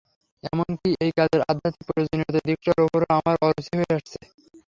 এমন কি, এই কাজের আধ্যাত্মিক প্রয়োজনীয়তার দিকটার ওপরও আমার অরুচি হয়ে আসছে।